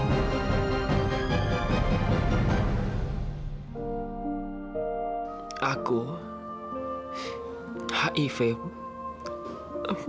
nah sotok ayamnya udah siap